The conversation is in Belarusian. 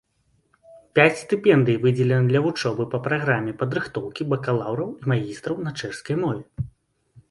Пяць стыпендый выдзелена для вучобы па праграме падрыхтоўкі бакалаўраў і магістраў на чэшскай мове.